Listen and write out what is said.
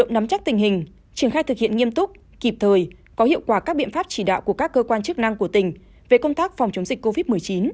nhiệm pháp chỉ đạo của các cơ quan chức năng của tỉnh về công tác phòng chống dịch covid một mươi chín